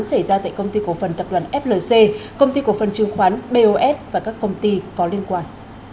xảy ra tại công ty cổ phần tập đoàn flc công ty cổ phần chứng khoán bos và các công ty có liên quan